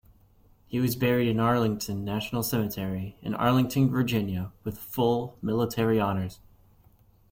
He was buried in Arlington National Cemetery in Arlington, Virginia, with full military honors.